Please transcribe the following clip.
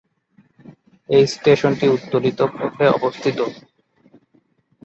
এই স্টেশনটি উত্তোলিত পথে অবস্থিত।